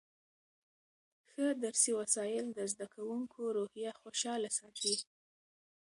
ښه درسي وسایل د زده کوونکو روحیه خوشحاله ساتي.